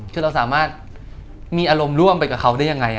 คือเราสามารถมีอารมณ์ร่วมไปกับเขาได้ยังไง